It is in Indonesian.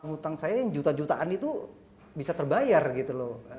hutang saya yang juta jutaan itu bisa terbayar gitu loh